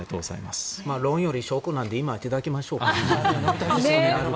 論より証拠なので今いただきましょうか。